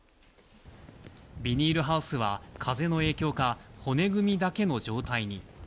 ビニールハウスは風の影響か、骨組みだけの状態に。